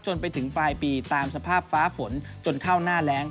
ไปถึงปลายปีตามสภาพฟ้าฝนจนเข้าหน้าแรง